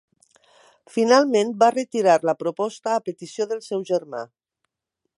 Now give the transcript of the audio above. Finalment va retirar la proposta a petició del seu germà.